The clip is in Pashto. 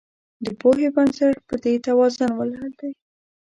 د پوهې بنسټ په دې توازن ولاړ دی.